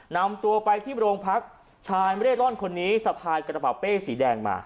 นำตัวไปที่โรงพักชายไม่ได้ร่อนคนนี้สะพายกระเป๋าเป้สีแดงมา